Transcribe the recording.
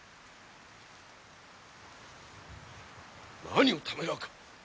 何をためらうか！